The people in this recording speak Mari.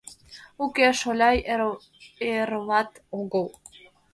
— Уке, шоляй, эрлат огыл.